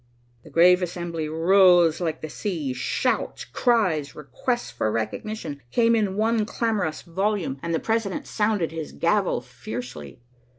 The grave assembly rose like the sea. Shouts, cries, requests for recognition, came in one clamorous volume, and the president sounded his gavel fiercely.